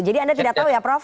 jadi anda tidak tahu ya prof